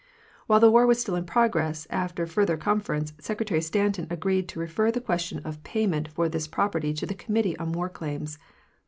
While the war was still in progress, after further con ference, Secretary Stanton agreed to refer the question of pay ment for this property to the Committee on War Claims.